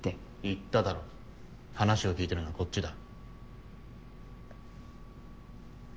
言っただろ話を聞いてるのはこっちだ。